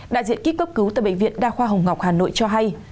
đại diện kíp cấp cứu tại bệnh viện đa khoa hồng ngọc hà nội cho hay